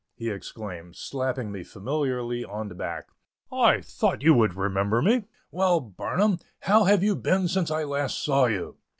he exclaimed, slapping me familiarly on the back, "I thought you would remember me. Well, Barnum, how have you been since I last saw you?"